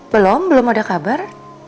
belom belum ada kabar